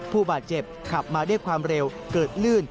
ผู้บาดเจ็บขับมาด้วยความเร็วเกิดลื่น